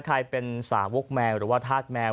ใครเป็นสาวกแมวหรือว่าธาตุแมว